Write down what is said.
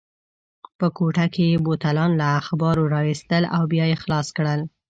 په کوټه کې یې بوتلان له اخبارو راوایستل او بیا یې خلاص کړل.